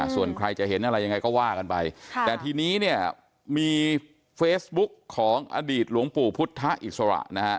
ส่วนใครจะเห็นอะไรยังไงก็ว่ากันไปแต่ทีนี้เนี่ยมีเฟซบุ๊กของอดีตหลวงปู่พุทธอิสระนะฮะ